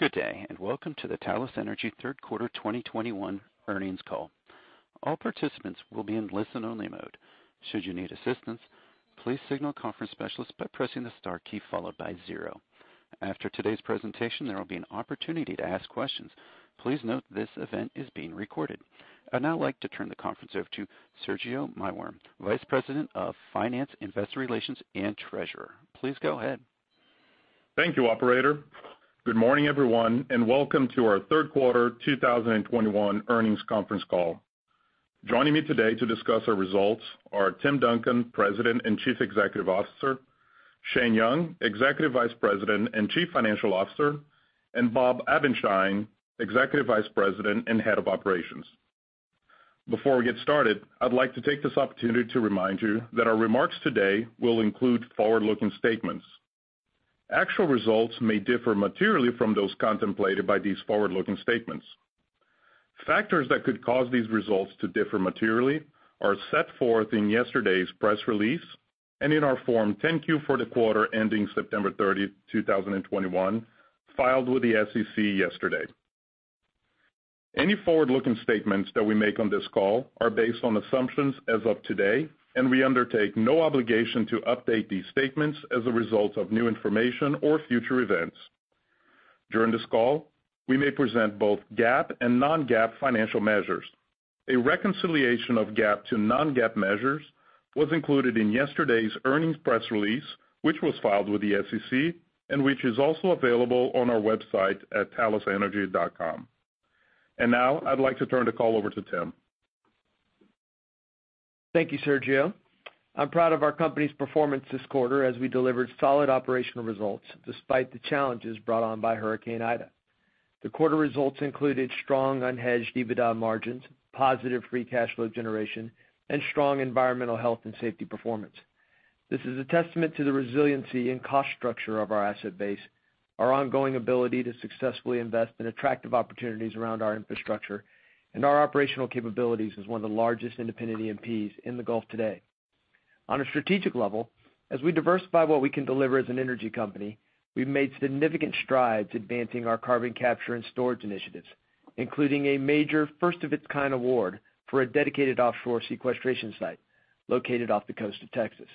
Good day, and welcome to the Talos Energy Q3 of 2021 earnings call. All participants will be in listen-only mode. Should you need assistance, please signal a conference specialist by pressing the star key followed by zero. After today's presentation, there will be an opportunity to ask questions. Please note this event is being recorded. I'd now like to turn the conference over to Sergio Maiworm, Vice President of Finance, Investor Relations, and Treasurer. Please go ahead. Thank you, operator. Good morning, everyone, and welcome to our Q3 of 2021 earnings conference call. Joining me today to discuss our results are Tim Duncan, President and Chief Executive Officer, Shane Young, Executive Vice President and Chief Financial Officer, and Bob Abendschein, Executive Vice President and Head of Operations. Before we get started, I'd like to take this opportunity to remind you that our remarks today will include forward-looking statements. Actual results may differ materially from those contemplated by these forward-looking statements. Factors that could cause these results to differ materially are set forth in yesterday's press release and in our Form 10-Q for the quarter ending September 30th, 2021, filed with the SEC yesterday. Any forward-looking statements that we make on this call are based on assumptions as of today, and we undertake no obligation to update these statements as a result of new information or future events. During this call, we may present both GAAP and non-GAAP financial measures. A reconciliation of GAAP to non-GAAP measures was included in yesterday's earnings press release, which was filed with the SEC and which is also available on our website at talosenergy.com. Now I'd like to turn the call over to Tim. Thank you, Sergio. I'm proud of our company's performance this quarter as we delivered solid operational results despite the challenges brought on by Hurricane Ida. The quarter results included strong unhedged EBITDA margins, positive free cash flow generation, and strong environmental health and safety performance. This is a testament to the resiliency and cost structure of our asset base, our ongoing ability to successfully invest in attractive opportunities around our infrastructure, and our operational capabilities as one of the largest independent E&Ps in the Gulf today. On a strategic level, as we diversify what we can deliver as an energy company, we've made significant strides advancing our carbon capture and storage initiatives, including a major 1st-of-its-kind award for a dedicated offshore sequestration site located off the coast of Texas.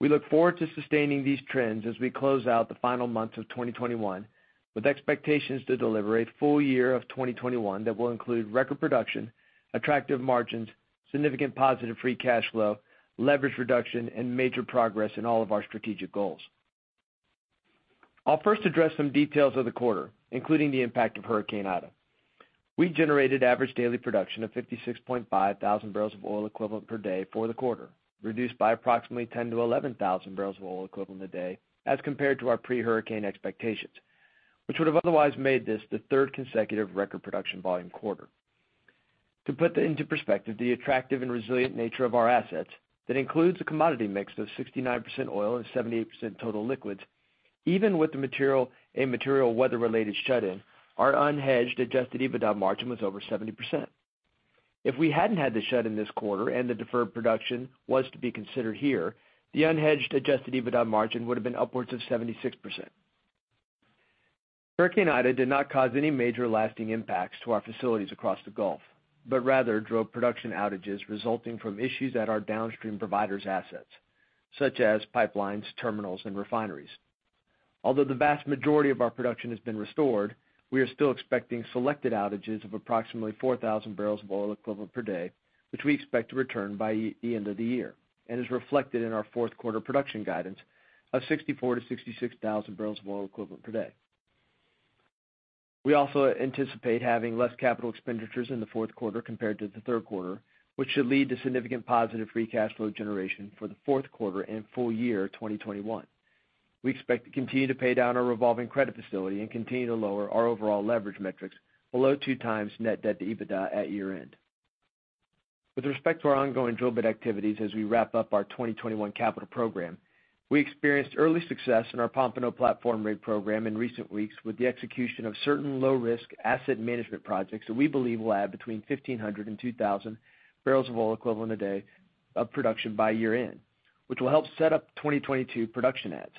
We look forward to sustaining these trends as we close out the final months of 2021, with expectations to deliver a full year of 2021 that will include record production, attractive margins, significant positive free cash flow, leverage reduction, and major progress in all of our strategic goals. I'll first address some details of the quarter, including the impact of Hurricane Ida. We generated average daily production of 56,500 barrels of oil equivalent per day for the quarter, reduced by approximately 10,000 to 11,000 barrels of oil equivalent a day as compared to our pre-hurricane expectations, which would have otherwise made this the 3rd consecutive record production volume quarter. To put that into perspective, the attractive and resilient nature of our assets that includes a commodity mix of 69% oil and 78% total liquids, even with the material weather-related shut-in, our unhedged adjusted EBITDA margin was over 70%. If we hadn't had the shut in this quarter and the deferred production was to be considered here, the unhedged adjusted EBITDA margin would have been upwards of 76%. Hurricane Ida did not cause any major lasting impacts to our facilities across the Gulf, but rather drove production outages resulting from issues at our downstream providers' assets, such as pipelines, terminals, and refineries. Although the vast majority of our production has been restored, we are still expecting selected outages of approximately 4,000 barrels of oil equivalent per day, which we expect to return by the end of the year and is reflected in our Q4 production guidance of 64,000 to 66,000 barrels of oil equivalent per day. We also anticipate having less capital expenditures in the Q4 compared to the Q3, which should lead to significant positive free cash flow generation for the fourQ4 and full year 2021. We expect to continue to pay down our revolving credit facility and continue to lower our overall leverage metrics below 2x net debt to EBITDA at year-end. With respect to our ongoing drill bit activities as we wrap up our 2021 capital program, we experienced early success in our Pompano platform rig program in recent weeks with the execution of certain low-risk asset management projects that we believe will add between 1,500 and 2,000 barrels of oil equivalent a day of production by year-end, which will help set up 2022 production adds.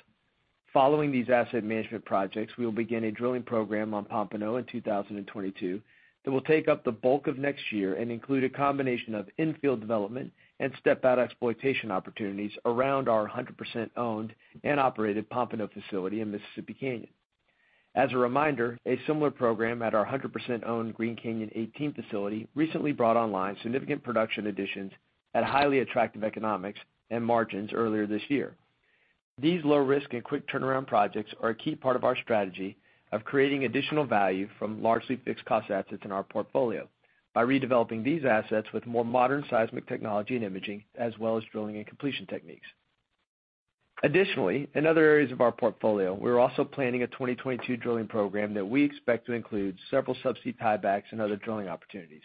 Following these asset management projects, we will begin a drilling program on Pompano in 2022 that will take up the bulk of next year and include a combination of infield development and step-out exploitation opportunities around our 100% owned and operated Pompano facility in Mississippi Canyon. As a reminder, a similar program at our 100% owned Green Canyon 18 facility recently brought online significant production additions at highly attractive economics and margins earlier this year. These low risk and quick turnaround projects are a key part of our strategy of creating additional value from largely fixed cost assets in our portfolio by redeveloping these assets with more modern seismic technology and imaging, as well as drilling and completion techniques. Additionally, in other areas of our portfolio, we're also planning a 2022 drilling program that we expect to include several subsea tiebacks and other drilling opportunities.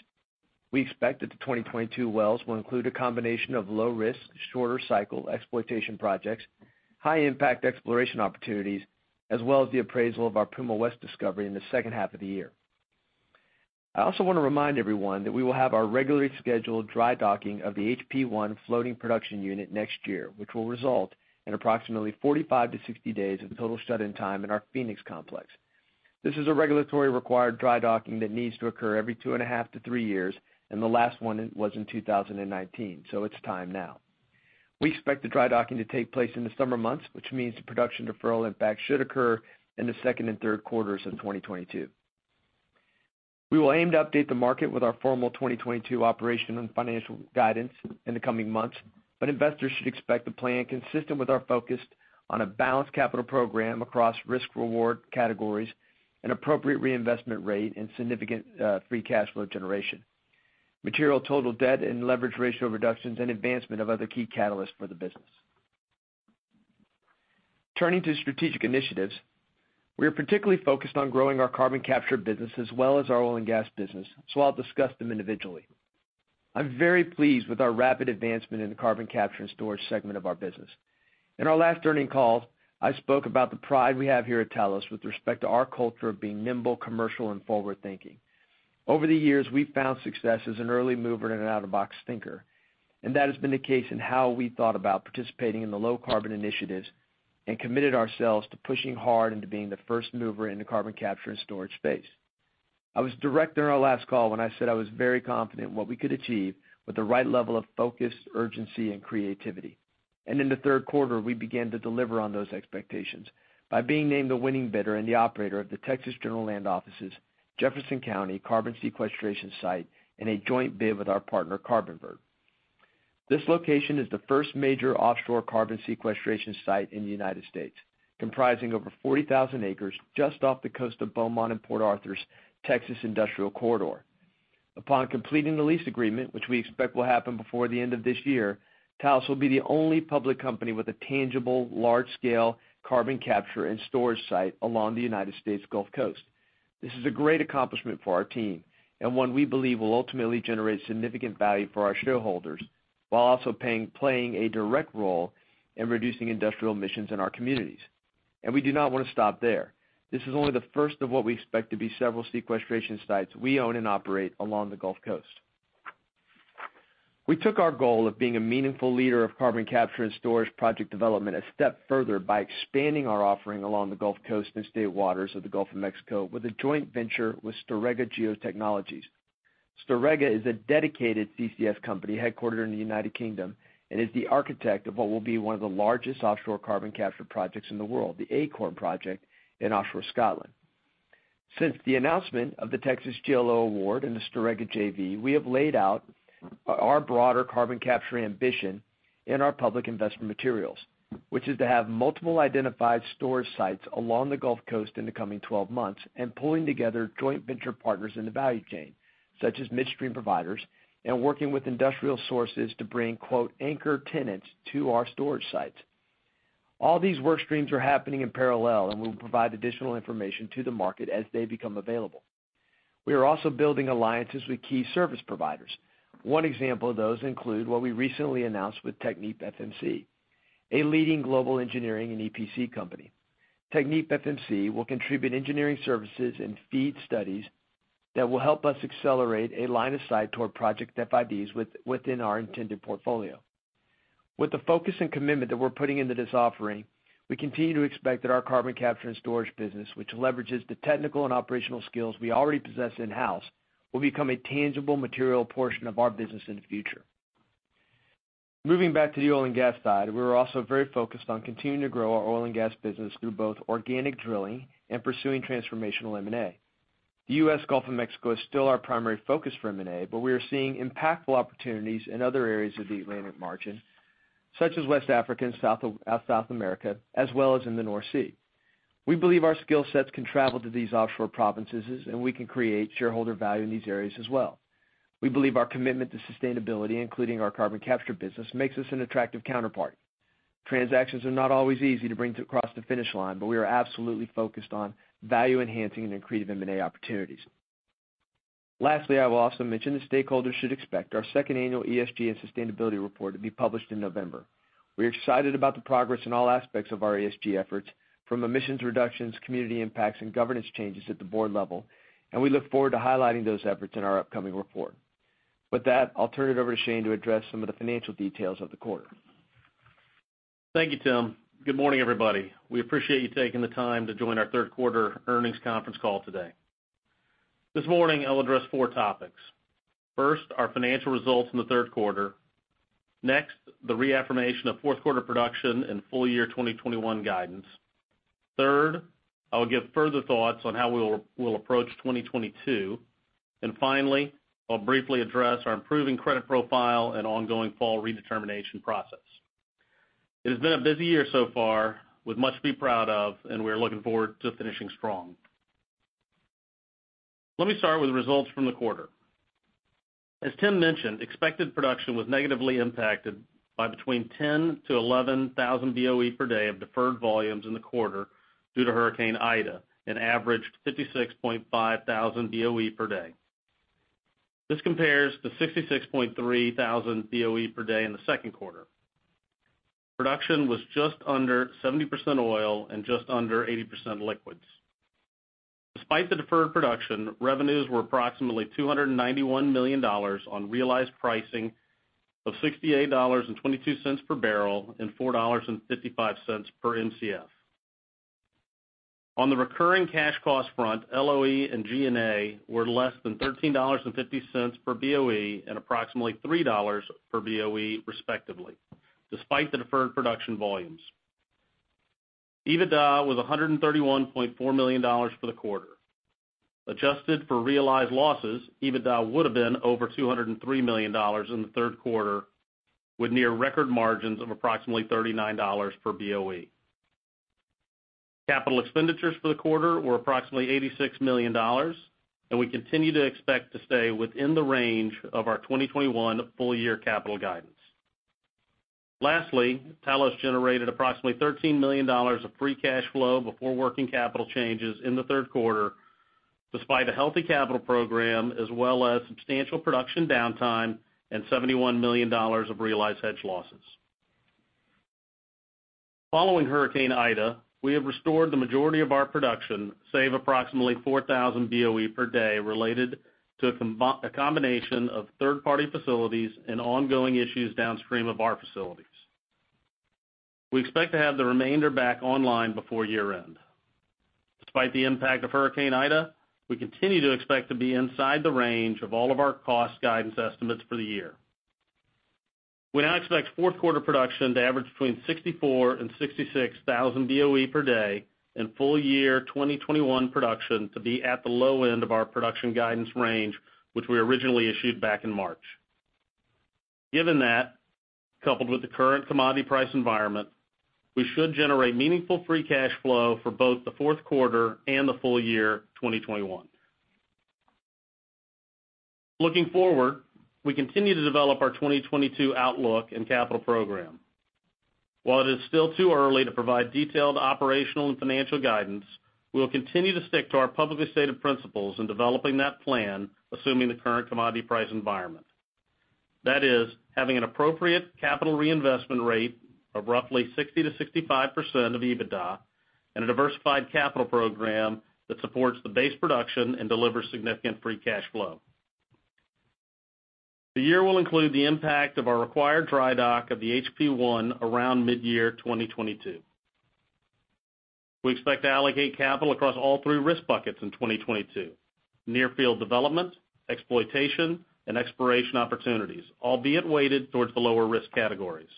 We expect that the 2022 wells will include a combination of low risk, shorter cycle exploitation projects, high impact exploration opportunities, as well as the appraisal of our Puma West discovery in the H2 of the year. I also want to remind everyone that we will have our regularly scheduled dry docking of the HP-1 floating production unit next year, which will result in approximately 45 to 60 days of total shut-in time in our Phoenix complex. This is a regulatory required dry docking that needs to occur every 2.5 to 3 years, and the last one was in 2019, so it's time now. We expect the dry docking to take place in the summer months, which means the production deferral impact should occur in the second and Q3 of 2022. We will aim to update the market with our formal 2022 operational and financial guidance in the coming months, but investors should expect a plan consistent with our focus on a balanced capital program across risk-reward categories, an appropriate reinvestment rate, and significant free cash flow generation, material total debt and leverage ratio reductions, and advancement of other key catalysts for the business. Turning to strategic initiatives. We are particularly focused on growing our carbon capture business as well as our oil and gas business, so I'll discuss them individually. I'm very pleased with our rapid advancement in the carbon capture and storage segment of our business. In our last earnings call, I spoke about the pride we have here at Talos with respect to our culture of being nimble, commercial, and forward-thinking. Over the years, we've found success as an early mover and an out-of-the-box thinker, and that has been the case in how we thought about participating in the low carbon initiatives and committed ourselves to pushing hard into being the 1st mover in the carbon capture and storage space. I was direct during our last call when I said I was very confident in what we could achieve with the right level of focus, urgency, and creativity. In the Q3, we began to deliver on those expectations by being named the winning bidder and the operator of the Texas General Land Office's Jefferson County carbon sequestration site in a joint bid with our partner, Carbonvert. This location is the 1st major offshore carbon sequestration site in the United States, comprising over 40,000 acres just off the coast of Beaumont and Port Arthur's Texas Industrial Corridor. Upon completing the lease agreement, which we expect will happen before the end of this year, Talos will be the only public company with a tangible large-scale carbon capture and storage site along the United States Gulf Coast. This is a great accomplishment for our team and one we believe will ultimately generate significant value for our shareholders while also playing a direct role in reducing industrial emissions in our communities. We do not want to stop there. This is only the 1st of what we expect to be several sequestration sites we own and operate along the Gulf Coast. We took our goal of being a meaningful leader of carbon capture and storage project development a step further by expanding our offering along the Gulf Coast and state waters of the Gulf of Mexico with a joint venture with Storegga Geotechnologies. Storegga is a dedicated CCS company headquartered in the United Kingdom and is the architect of what will be 1 of the largest offshore carbon capture projects in the world, the Acorn Project in offshore Scotland. Since the announcement of the Texas GLO Award and the Storegga JV, we have laid out our broader carbon capture ambition in our public investment materials, which is to have multiple identified storage sites along the Gulf Coast in the coming 12 months and pulling together joint venture partners in the value chain, such as midstream providers and working with industrial sources to bring, quote, anchor tenants to our storage sites. All these work streams are happening in parallel, and we'll provide additional information to the market as they become available. We are also building alliances with key service providers. One example of those include what we recently announced with TechnipFMC, a leading global engineering and EPC company. TechnipFMC will contribute engineering services and FEED studies that will help us accelerate a line of sight toward project FIDs within our intended portfolio. With the focus and commitment that we're putting into this offering, we continue to expect that our carbon capture and storage business, which leverages the technical and operational skills we already possess in-house, will become a tangible material portion of our business in the future. Moving back to the oil and gas side, we're also very focused on continuing to grow our oil and gas business through both organic drilling and pursuing transformational M&A. The U.S. Gulf of Mexico is still our primary focus for M&A, but we are seeing impactful opportunities in other areas of the Atlantic margin, such as West Africa and South America, as well as in the North Sea. We believe our skill sets can travel to these offshore provinces, and we can create shareholder value in these areas as well. We believe our commitment to sustainability, including our carbon capture business, makes us an attractive counterparty. Transactions are not always easy to bring across the finish line, but we are absolutely focused on value enhancing and accretive M&A opportunities. Lastly, I will also mention that stakeholders should expect our 2nd annual ESG and sustainability report to be published in November. We're excited about the progress in all aspects of our ESG efforts, from emissions reductions, community impacts, and governance changes at the board level, and we look forward to highlighting those efforts in our upcoming report. With that, I'll turn it over to Shane to address some of the financial details of the quarter. Thank you, Tim. Good morning, everybody. We appreciate you taking the time to join our Q3 earnings conference call today. This morning, I'll address 4 topics. 1st, our financial results in the Q3. Next, the reaffirmation of Q4 production and full year 2021 guidance. 3rd, I will give further thoughts on how we'll approach 2022. Finally, I'll briefly address our improving credit profile and ongoing fall redetermination process. It has been a busy year so far with much to be proud of, and we're looking forward to finishing strong. Let me start with results from the quarter. As Tim mentioned, expected production was negatively impacted by between 10 to 11 thousand BOE per day of deferred volumes in the quarter due to Hurricane Ida and averaged 56.5 thousand BOE per day. This compares to 66.3 thousand BOE per day in the Q2. Production was just under 70% oil and just under 80% liquids. Despite the deferred production, revenues were approximately $291 million on realized pricing of $68.22 per barrel and $4.55 per Mcf. On the recurring cash cost front, LOE and G&A were less than $13.50 per BOE and approximately $3 per BOE respectively, despite the deferred production volumes. EBITDA was $131.4 million for the quarter. Adjusted for realized losses, EBITDA would have been over $203 million in the Q3, with near record margins of approximately $39 per BOE. Capital expenditures for the quarter were approximately $86 million, and we continue to expect to stay within the range of our 2021 full year capital guidance. Lastly, Talos generated approximately $13 million of free cash flow before working capital changes in the Q3, despite a healthy capital program as well as substantial production downtime and $71 million of realized hedge losses. Following Hurricane Ida, we have restored the majority of our production, save approximately 4,000 BOE per day, related to a combination of 3rd-party facilities and ongoing issues downstream of our facilities. We expect to have the remainder back online before year-end. Despite the impact of Hurricane Ida, we continue to expect to be inside the range of all of our cost guidance estimates for the year. We now expect fourth quarter production to average between 64,000 and 66,000 BOE per day, and full year 2021 production to be at the low end of our production guidance range, which we originally issued back in March. Given that, coupled with the current commodity price environment, we should generate meaningful free cash flow for both the Q4 and the full year 2021. Looking forward, we continue to develop our 2022 outlook and capital program. While it is still too early to provide detailed operational and financial guidance, we will continue to stick to our publicly stated principles in developing that plan, assuming the current commodity price environment. That is, having an appropriate capital reinvestment rate of roughly 60% to 65% of EBITDA and a diversified capital program that supports the base production and delivers significant free cash flow. The year will include the impact of our required dry dock of the HP-1 around mid-year 2022. We expect to allocate capital across all three risk buckets in 2022, near field development, exploitation and exploration opportunities, albeit weighted towards the lower risk categories.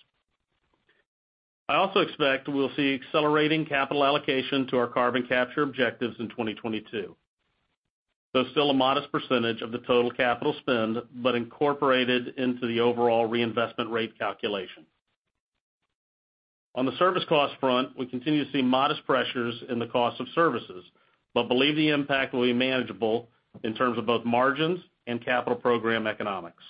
I also expect we'll see accelerating capital allocation to our carbon capture objectives in 2022. Though still a modest percentage of the total capital spend, but incorporated into the overall reinvestment rate calculation. On the service cost front, we continue to see modest pressures in the cost of services, but believe the impact will be manageable in terms of both margins and capital program economics.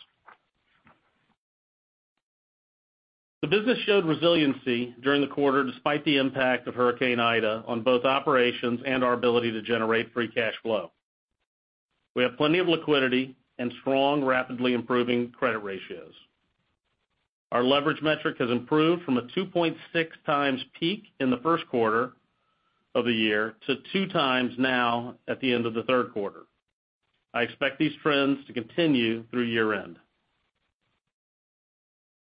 The business showed resiliency during the quarter, despite the impact of Hurricane Ida on both operations and our ability to generate free cash flow. We have plenty of liquidity and strong, rapidly improving credit ratios. Our leverage metric has improved from a 2.6x peak in the Q1 of the year to 2x now at the end of the Q3. I expect these trends to continue through year-end.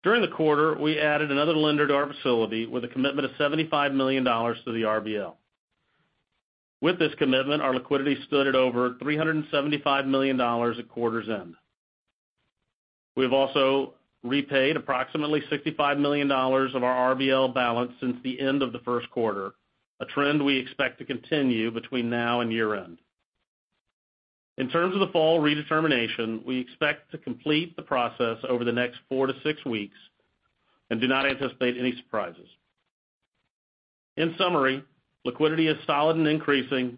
During the quarter, we added another lender to our facility with a commitment of $75 million to the RBL. With this commitment, our liquidity stood at over $375 million at quarter's end. We have also repaid approximately $65 million of our RBL balance since the end of the Q1, a trend we expect to continue between now and year-end. In terms of the fall redetermination, we expect to complete the process over the next 4 to 6 weeks and do not anticipate any surprises. In summary, liquidity is solid and increasing,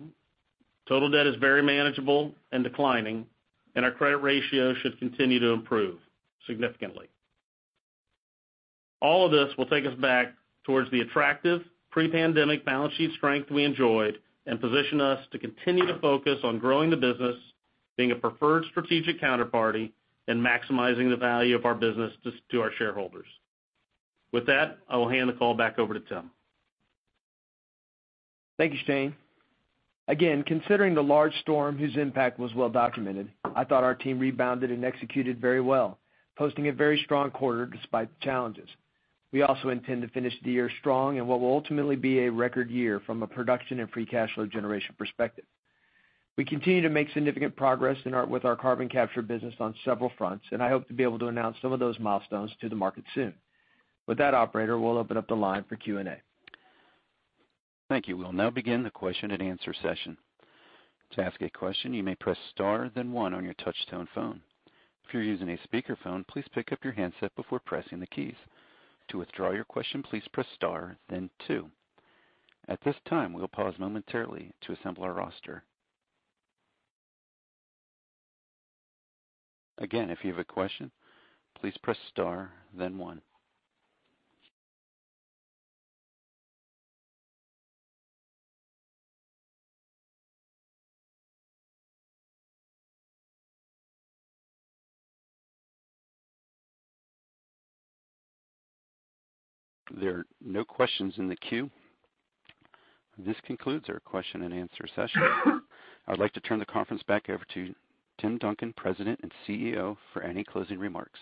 total debt is very manageable and declining, and our credit ratio should continue to improve significantly. All of this will take us back towards the attractive pre-pandemic balance sheet strength we enjoyed and position us to continue to focus on growing the business, being a preferred strategic counterparty, and maximizing the value of our business to our shareholders. With that, I will hand the call back over to Tim. Thank you, Shane. Again, considering the large storm whose impact was well documented, I thought our team rebounded and executed very well, posting a very strong quarter despite the challenges. We also intend to finish the year strong in what will ultimately be a record year from a production and free cash flow generation perspective. We continue to make significant progress with our carbon capture business on several fronts, and I hope to be able to announce some of those milestones to the market soon. With that, operator, we'll open up the line for Q&A. Thank you. We'll now begin the question and answer session. To ask a question, you may press star, then 1 on your touchtone phone. If you're using a speakerphone, please pick up your handset before pressing the keys. To withdraw your question, please press star, then 2. At this time, we'll pause momentarily to assemble our roster. Again, if you have a question, please press star, then 1. There are no questions in the queue. This concludes our question and answer session. I'd like to turn the conference back over to Tim Duncan, President and CEO, for any closing remarks.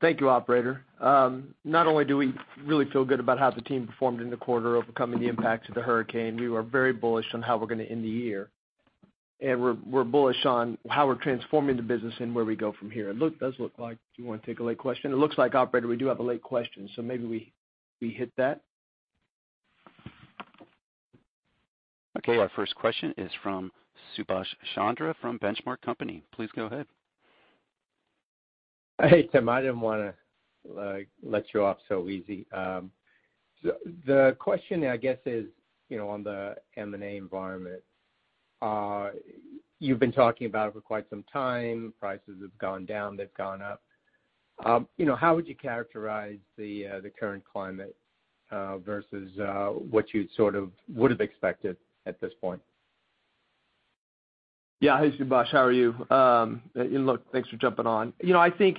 Thank you, operator. Not only do we really feel good about how the team performed in the quarter overcoming the impacts of the hurricane, we were very bullish on how we're going to end the year. We're bullish on how we're transforming the business and where we go from here. It does look like. Do you want to take a late question? It looks like, operator, we do have a late question, so maybe we hit that. Okay. Our 1st question is from Subash Chandra from The Benchmark Company. Please go ahead. Hey, Tim. I didn't want to let you off so easy. The question I guess is, you know, on the M&A environment. You've been talking about it for quite some time. Prices have gone down, they've gone up. You know, how would you characterize the current climate versus what you sort of would have expected at this point? Yeah. Hey, Subash. How are you? Look, thanks for jumping on. You know, I think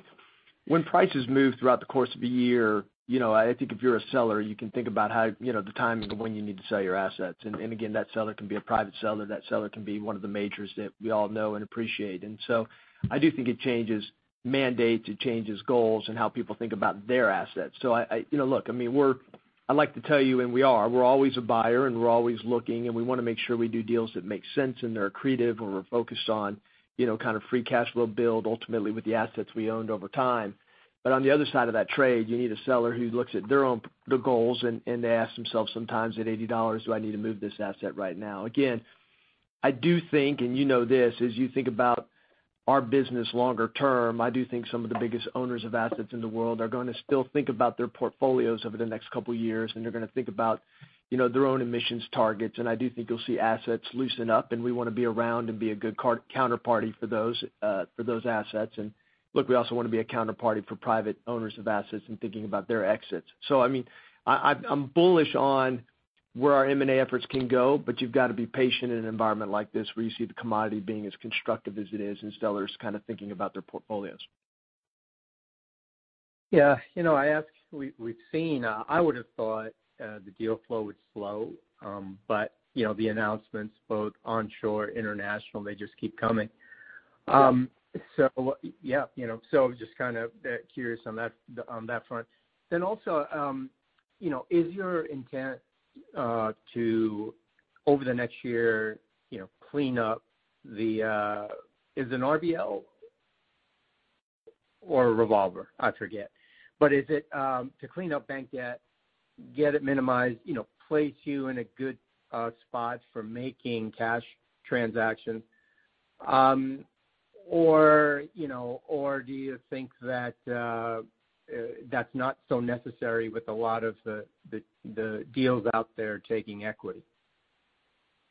when prices move throughout the course of a year, you know, I think if you're a seller, you can think about how, you know, the timing of when you need to sell your assets. Again, that seller can be a private seller, that seller can be one of the majors that we all know and appreciate. I do think it changes mandates, it changes goals and how people think about their assets. I... You know, look, I mean, we're, I'd like to tell you, and we are, we're always a buyer, and we're always looking, and we want to make sure we do deals that make sense, and they're accretive, and we're focused on, you know, kind of free cash flow build ultimately with the assets we owned over time. On the other side of that trade, you need a seller who looks at their own goals, and they ask themselves sometimes, "At $80, do I need to move this asset right now?" Again, I do think, and you know this, as you think about our business longer term, I do think some of the biggest owners of assets in the world are going to still think about their portfolios over the next couple years, and they're going to think about, you know, their own emissions targets. I do think you'll see assets loosen up, and we want to be around and be a good counterparty for those assets. Look, we also want to be a counterparty for private owners of assets in thinking about their exits. I mean, I'm bullish on where our M&A efforts can go, but you've got to be patient in an environment like this where you see the commodity being as constructive as it is and sellers kind of thinking about their portfolios. Yeah. You know, we've seen. I would have thought the deal flow would slow. You know, the announcements both onshore, international, they just keep coming. Yeah. Yeah. You know, so just kind of curious on that front. Also, you know, is your intent to over the next year, you know, clean up the. Is an RBL or a revolver? I forget. Is it to clean up bank debt, get it minimized, you know, place you in a good spot for making cash transactions, or you know do you think that that's not so necessary with a lot of the deals out there taking equity?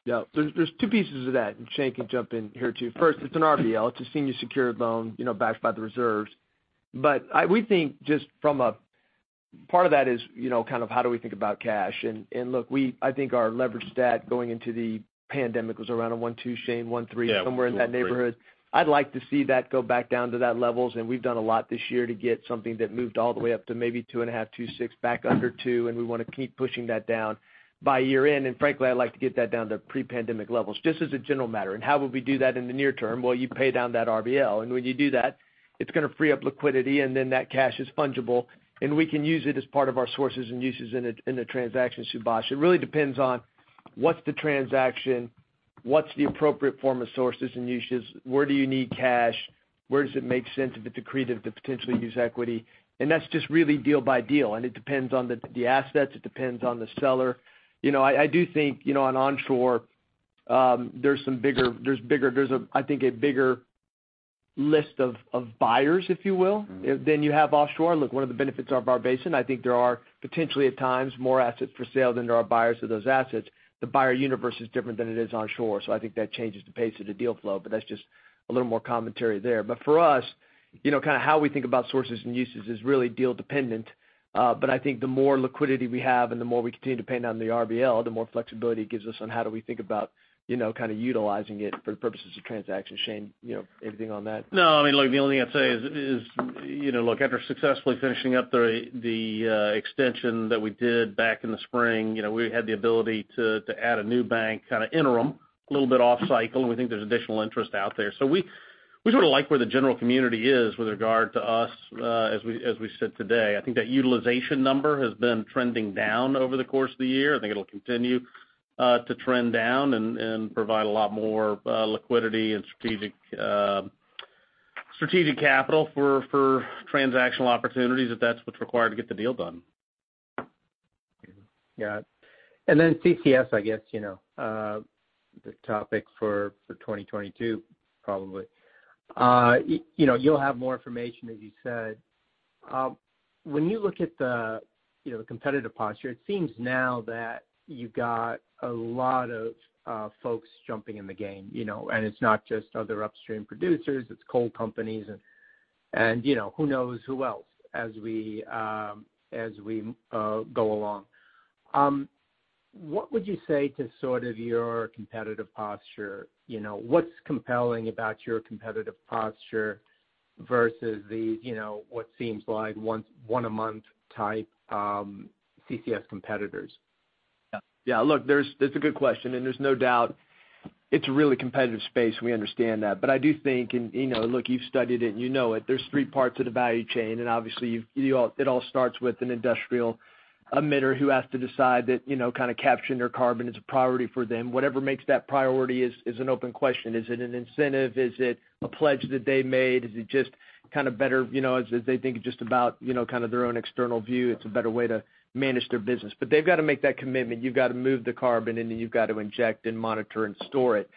Yeah. There's 2 pieces of that, and Shane can jump in here too. 1st, it's an RBL. It's a senior secured loan, you know, backed by the reserves. But we think just from a part of that is, you know, kind of how do we think about cash? Look, I think our leverage stat going into the pandemic was around 1.2, Shane, 1.3- Yeah. Somewhere in that neighborhood. I'd like to see that go back down to those levels, and we've done a lot this year to get something that moved all the way up to maybe 2.5, 2.6 back under 2, and we want to keep pushing that down by year-end. Frankly, I'd like to get that down to pre-pandemic levels, just as a general matter. How would we do that in the near term? Well, you pay down that RBL. When you do that, it's going to free up liquidity, and then that cash is fungible, and we can use it as part of our sources and uses in a transaction, Subash. It really depends on what's the transaction? What's the appropriate form of sources and uses? Where do you need cash? Where does it make sense if it's accretive to potentially use equity? That's just really deal by deal. It depends on the assets. It depends on the seller. You know, I do think, you know, on onshore, there's a bigger list of buyers, if you will. Mm-hmm. than you have offshore. Look, one of the benefits of our basin, I think there are potentially at times more assets for sale than there are buyers of those assets. The buyer universe is different than it is onshore, so I think that changes the pace of the deal flow, but that's just a little more commentary there. For us, you know, kind of how we think about sources and uses is really deal dependent. I think the more liquidity we have and the more we continue to pay down the RBL, the more flexibility it gives us on how do we think about, you know, kind of utilizing it for the purposes of transactions. Shane, you know, anything on that? No. I mean, look, the only thing I'd say is, you know, look, after successfully finishing up the extension that we did back in the spring, you know, we had the ability to add a new bank kind of interim, a little bit off cycle, and we think there's additional interest out there. We sort of like where the general community is with regard to us, as we sit today. I think that utilization number has been trending down over the course of the year. I think it'll continue to trend down and provide a lot more liquidity and strategic capital for transactional opportunities if that's what's required to get the deal done. Yeah. Then CCS, I guess, you know, the topic for 2022 probably. You know, you'll have more information, as you said. When you look at, you know, the competitive posture, it seems now that you've got a lot of folks jumping in the game, you know. It's not just other upstream producers, it's coal companies and, you know, who knows who else as we go along. What would you say to sort of your competitive posture? You know, what's compelling about your competitive posture versus the, you know, what seems like one a month type, CCS competitors? Yeah. Look, that's a good question, and there's no doubt it's a really competitive space, and we understand that. I do think, you know, look, you've studied it and you know it, there's 3 parts of the value chain. Obviously, it all starts with an industrial emitter who has to decide that, you know, kind of capturing their carbon is a priority for them. Whatever makes that priority is an open question. Is it an incentive? Is it a pledge that they made? Is it just kind of better, you know, as they think it's just about, you know, kind of their own external view, it's a better way to manage their business. They've got to make that commitment. You've got to move the carbon, and then you've got to inject and monitor and store it.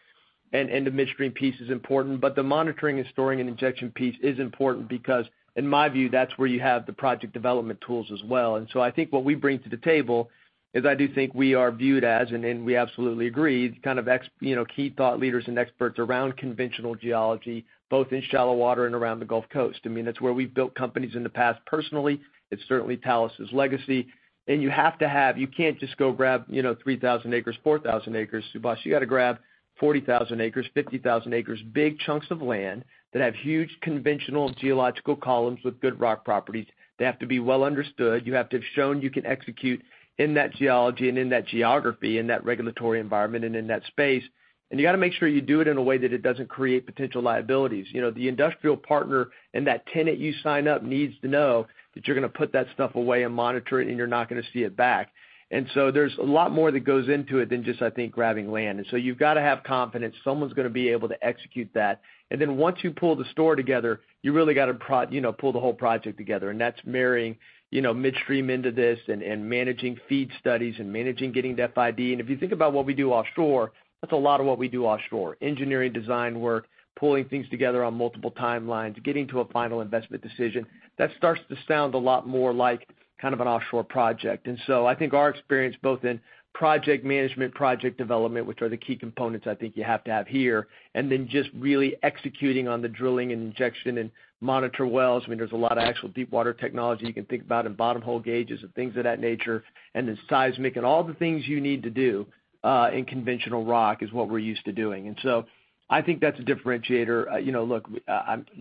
The midstream piece is important, but the monitoring and storing and injection piece is important because in my view, that's where you have the project development tools as well. I think what we bring to the table is I do think we are viewed as, and then we absolutely agree, kind of you know, key thought leaders and experts around conventional geology, both in shallow water and around the Gulf Coast. I mean, that's where we've built companies in the past personally. It's certainly Talos's legacy. You have to, you can't just go grab, you know, 3,000 acres, 4,000 acres, Subash. You got to grab 40,000 acres, 50,000 acres, big chunks of land that have huge conventional geological columns with good rock properties. They have to be well understood. You have to have shown you can execute in that geology and in that geography, in that regulatory environment and in that space. You got to make sure you do it in a way that it doesn't create potential liabilities. You know, the industrial partner and that tenant you sign up needs to know that you're going to put that stuff away and monitor it, and you're not going to see it back. There's a lot more that goes into it than just, I think, grabbing land. You've got to have confidence someone's going to be able to execute that. Once you pull the storage together, you really got to, you know, pull the whole project together. That's marrying, you know, midstream into this and managing FEED studies and managing getting to FID. If you think about what we do offshore, that's a lot of what we do offshore. Engineering, design work, pulling things together on multiple timelines, getting to a final investment decision. That starts to sound a lot more like kind of an offshore project. I think our experience both in project management, project development, which are the key components I think you have to have here, and then just really executing on the drilling and injection and monitor wells. I mean, there's a lot of actual deepwater technology you can think about in bottom hole gauges and things of that nature, and then seismic and all the things you need to do, in conventional rock is what we're used to doing. I think that's a differentiator. You know, look,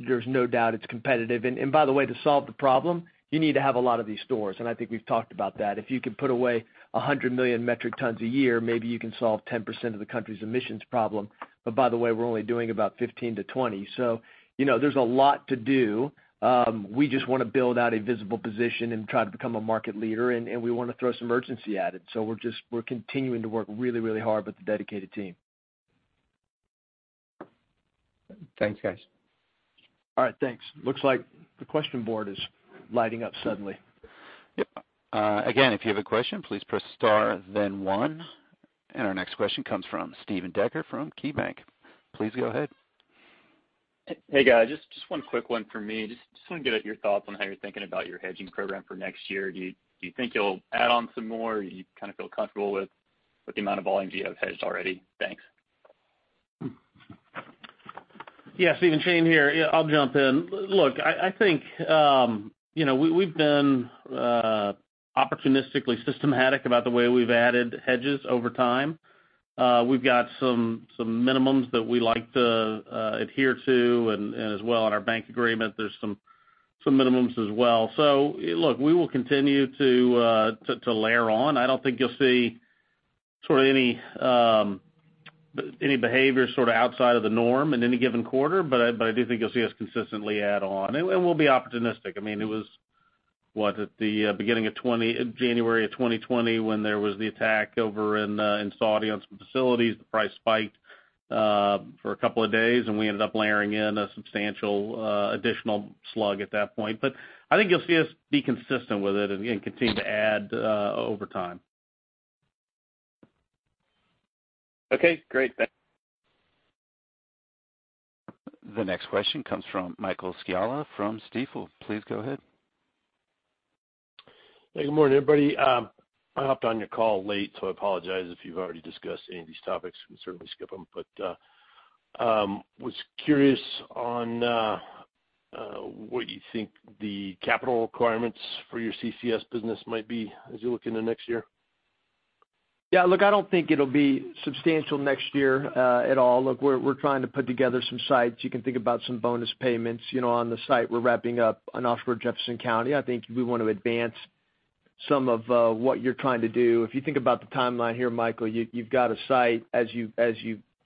there's no doubt it's competitive. by the way, to solve the problem, you need to have a lot of these stores, and I think we've talked about that. If you can put away 100 million metric tons a year, maybe you can solve 10% of the country's emissions problem. by the way, we're only doing about 15 to 20. You know, there's a lot to do. We just want to build out a visible position and try to become a market leader, and we want to throw some urgency at it. We're continuing to work really hard with the dedicated team. Thanks, guys. All right. Thanks. Looks like the question board is lighting up suddenly. Yep. Again, if you have a question, please press star then 1. Our next question comes from Steven Dechert from KeyBanc Capital Markets. Please go ahead. Hey, guys, just one quick one for me. Just want to get at your thoughts on how you're thinking about your hedging program for next year. Do you think you'll add on some more? You kind of feel comfortable with the amount of volumes you have hedged already? Thanks. Yeah, Steven, Shane here. Yeah, I'll jump in. Look, I think, you know, we've been opportunistically systematic about the way we've added hedges over time. We've got some minimums that we like to adhere to. As well in our bank agreement, there's some minimums as well. Look, we will continue to layer on. I don't think you'll see sort of any behavior sort of outside of the norm in any given quarter, but I do think you'll see us consistently add on. We'll be opportunistic. I mean, it was, what, at the beginning of 2020, January of 2020 when there was the attack over in Saudi on some facilities. The price spiked for a couple of days, and we ended up layering in a substantial additional slug at that point. I think you'll see us be consistent with it and continue to add over time. Okay, great. Thanks. The next question comes from Michael Scialla from Stifel. Please go ahead. Hey, good morning, everybody. I hopped on your call late, so I apologize if you've already discussed any of these topics. You can certainly skip them. I was curious on what you think the capital requirements for your CCS business might be as you look into next year. Yeah. Look, I don't think it'll be substantial next year at all. Look, we're trying to put together some sites. You can think about some bonus payments, you know, on the site we're wrapping up on offshore Jefferson County. I think we want to advance some of what you're trying to do. If you think about the timeline here, Michael, you've got a site. As you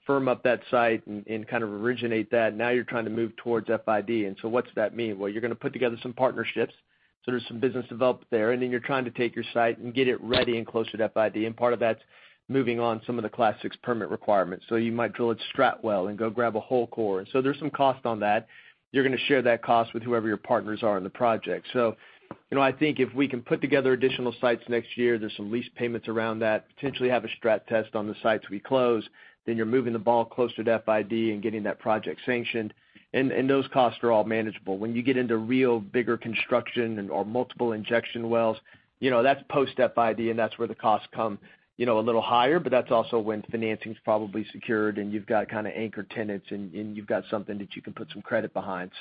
firm up that site and kind of originate that, now you're trying to move towards FID. What's that mean? Well, you're going to put together some partnerships, so there's some business developed there. You're trying to take your site and get it ready and close to FID, and part of that's moving on some of the Class VI permit requirements. You might drill a start well and go grab a whole core. There's some cost on that. You're going to share that cost with whoever your partners are in the project. You know, I think if we can put together additional sites next year, there's some lease payments around that, potentially have a strat test on the sites we close, then you're moving the ball closer to FID and getting that project sanctioned. Those costs are all manageable. When you get into real bigger construction and/or multiple injection wells, you know, that's post FID, and that's where the costs come, you know, a little higher. That's also when financing's probably secured and you've got kind of anchor tenants and you've got something that you can put some credit behind.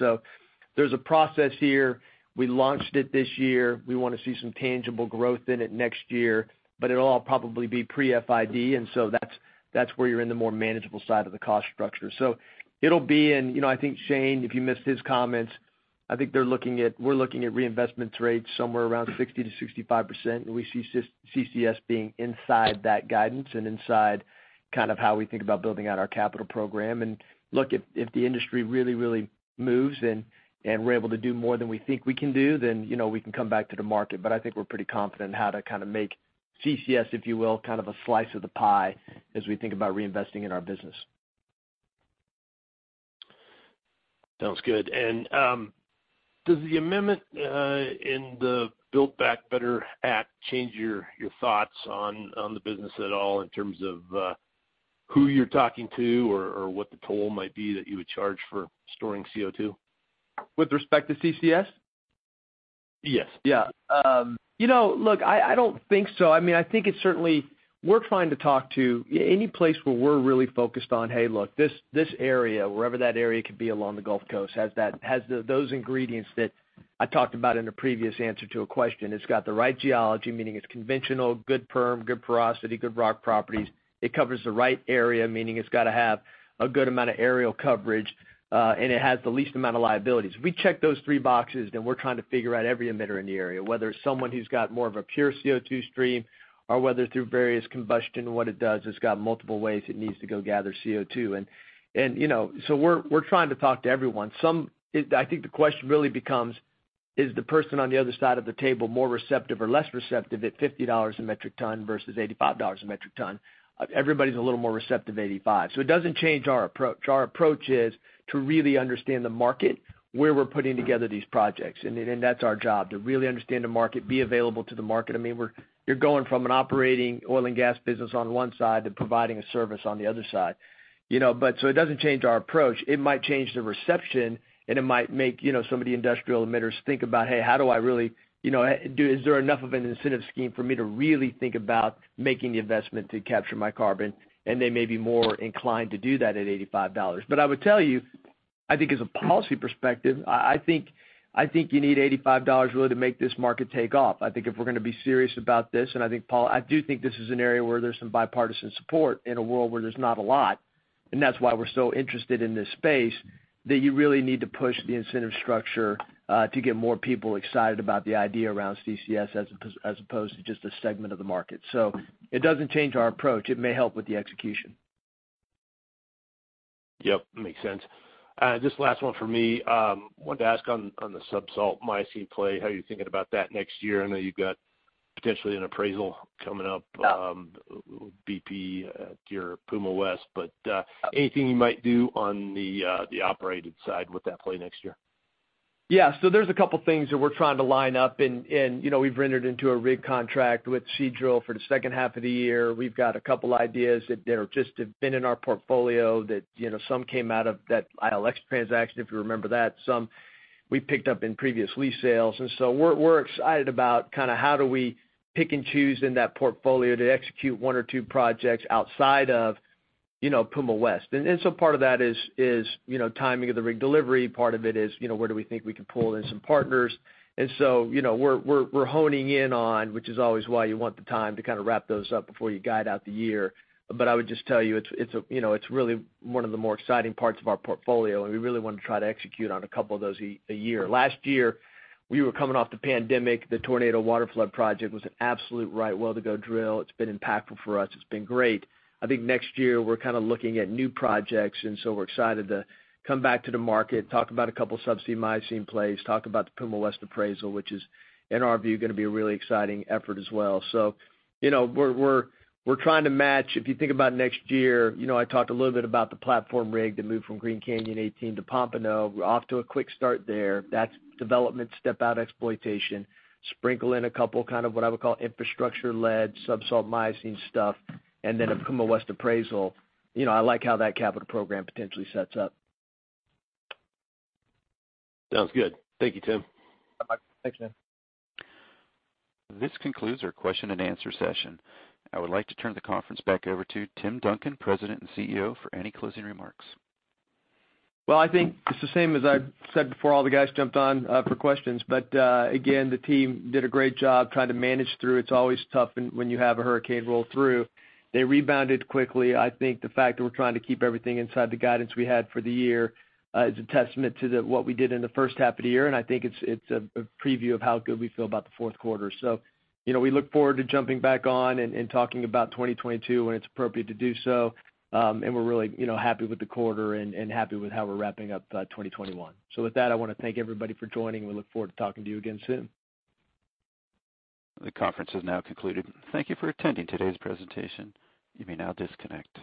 There's a process here. We launched it this year. We want to see some tangible growth in it next year. It'll all probably be pre-FID, and so that's where you're in the more manageable side of the cost structure. It'll be. You know, I think Shane, if you missed his comments. I think we're looking at reinvestment rates somewhere around 60% to 65%, and we see CCS being inside that guidance and inside kind of how we think about building out our capital program. Look, if the industry really moves and we're able to do more than we think we can do, then, you know, we can come back to the market. I think we're pretty confident in how to kind make CCS, if you will, kind of a slice of the pie as we think about reinvesting in our business. Sounds good. Does the amendment in the Build Back Better Act change your thoughts on the business at all in terms of who you're talking to or what the toll might be that you would charge for storing CO2? With respect to CCS? Yes. Yeah. You know, look, I don't think so. I mean, I think it's certainly we're trying to talk to any place where we're really focused on, hey, look, this area, wherever that area could be along the Gulf Coast, has the those ingredients that I talked about in a previous answer to a question. It's got the right geology, meaning it's conventional, good perm, good porosity, good rock properties. It covers the right area, meaning it's got to have a good amount of areal coverage, and it has the least amount of liabilities. If we check those three boxes, then we're trying to figure out every emitter in the area, whether it's someone who's got more of a pure CO2 stream or whether through various combustion, what it does, it's got multiple ways it needs to go gather CO2. You know, we're trying to talk to everyone. I think the question really becomes, is the person on the other side of the table more receptive or less receptive at $50 a metric ton versus $85 a metric ton? Everybody's a little more receptive at 85. It doesn't change our approach. Our approach is to really understand the market where we're putting together these projects. That's our job, to really understand the market, be available to the market. I mean, you're going from an operating oil and gas business on one side to providing a service on the other side. You know, it doesn't change our approach. It might change the reception, and it might make, you know, some of the industrial emitters think about, "Hey, how do I really, you know, is there enough of an incentive scheme for me to really think about making the investment to capture my carbon?" They may be more inclined to do that at $85. I would tell you, I think as a policy perspective, I think you need $85 really to make this market take off. I think if we're going to be serious about this, and I think, Paul, I do think this is an area where there's some bipartisan support in a world where there's not a lot, and that's why we're so interested in this space, that you really need to push the incentive structure, to get more people excited about the idea around CCS as opposed to just a segment of the market. It doesn't change our approach. It may help with the execution. Yep, makes sense. Just last one for me. Wanted to ask on the subsalt Miocene play, how you're thinking about that next year. I know you've got potentially an appraisal coming up, BP at your Puma West. Anything you might do on the operated side with that play next year? Yeah. There's a couple things that we're trying to line up and, you know, we've entered into a rig contract with Seadrill for the H2 of the year. We've got a couple ideas that just have been in our portfolio that, you know, some came out of that ILX transaction, if you remember that. Some we picked up in previous lease sales. We're excited about kind how do we pick and choose in that portfolio to execute one or two projects outside of, you know, Puma West. Part of that is, you know, timing of the rig delivery. Part of it is, you know, where do we think we can pull in some partners. You know, we're honing in on, which is always why you want the time to kindly wrap those up before you guide out the year. I would just tell you, it's a, you know, it's really one of the more exciting parts of our portfolio, and we really want to try to execute on a couple of those a year. Last year, we were coming off the pandemic. The Tornado Waterflood Project was an absolute right well to go drill. It's been impactful for us. It's been great. I think next year, we're kindly looking at new projects, and we're excited to come back to the market, talk about a couple subsalt Miocene plays, talk about the Puma West appraisal, which is, in our view, going to be a really exciting effort as well. You know, we're trying to match... If you think about next year, you know, I talked a little bit about the platform rig that moved from Green Canyon Eighteen to Pompano. We're off to a quick start there. That's development step out exploitation. Sprinkle in a couple kind of what I would call infrastructure-led subsalt Miocene stuff, and then a Puma West appraisal. You know, I like how that capital program potentially sets up. Sounds good. Thank you, Tim. Bye-bye. Thanks, man. This concludes our question and answer session. I would like to turn the conference back over to Tim Duncan, President and CEO, for any closing remarks. Well, I think it's the same as I said before all the guys jumped on for questions. Again, the team did a great job trying to manage through. It's always tough when you have a hurricane roll through. They rebounded quickly. I think the fact that we're trying to keep everything inside the guidance we had for the year is a testament to what we did in the H1 of the year, and I think it's a preview of how good we feel about the fourth quarter. You know, we look forward to jumping back on and talking about 2022 when it's appropriate to do so. We're really, you know, happy with the quarter and happy with how we're wrapping up 2021. With that, I want to thank everybody for joining. We look forward to talking to you again soon. The conference is now concluded. Thank you for attending today's presentation. You may now disconnect.